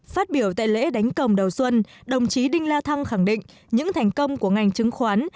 phát biểu tại lễ đánh công đầu xuân đồng chí đinh la thăng khẳng định những thành công của ngành chứng khoán